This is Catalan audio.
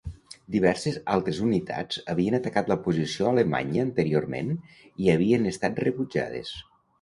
Diverses altres unitats havien atacat la posició alemanya anteriorment i havien estat rebutjades.